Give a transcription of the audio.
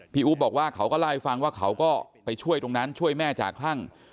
อู๊บบอกว่าเขาก็เล่าให้ฟังว่าเขาก็ไปช่วยตรงนั้นช่วยแม่จากคลั่ง